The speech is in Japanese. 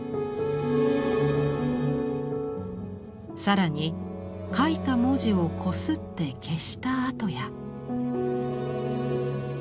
更に書いた文字をこすって消した跡や。